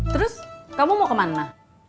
terus kamu mau kemana